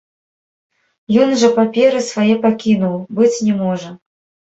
Ён жа паперы свае пакінуў, быць не можа!